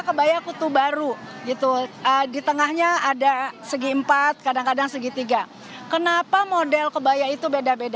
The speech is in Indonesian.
kebaya kutu baru gitu di tengahnya ada segi empat kadang kadang segitiga kenapa model kebaya itu beda beda